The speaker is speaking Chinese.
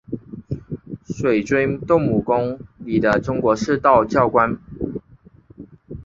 水碓斗母宫里的中国式道教庙观。